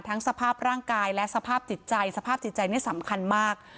สภาพร่างกายและสภาพจิตใจสภาพจิตใจนี่สำคัญมาก